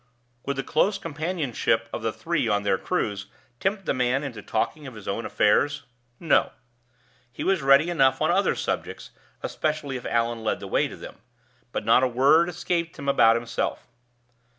Would the close companionship of the three on their cruise tempt the man into talking of his own affairs? No; he was ready enough on other subjects, especially if Allan led the way to them. But not a word escaped him about himself.